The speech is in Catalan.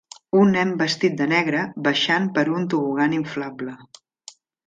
Un nen vestit de negre baixant per un tobogan inflable.